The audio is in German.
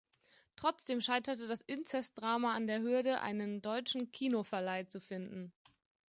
Trotzdem scheiterte das Inzest-Drama an der Hürde, einen deutschen Kinoverleih zu finden.